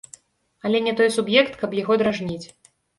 Але не той суб'ект, каб яго дражніць.